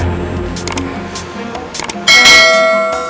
gue mau pergi ke rumah